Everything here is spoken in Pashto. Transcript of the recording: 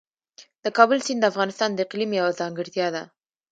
د کابل سیند د افغانستان د اقلیم یوه ځانګړتیا ده.